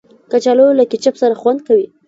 کچالو له کیچپ سره خوند کوي